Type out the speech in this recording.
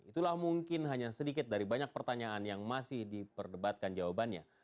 itulah mungkin hanya sedikit dari banyak pertanyaan yang masih diperdebatkan jawabannya